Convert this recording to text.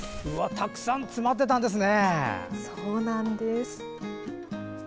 たくさん詰まってたんですね。